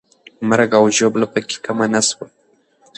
مرګ او ژوبله پکې کمه نه سوه.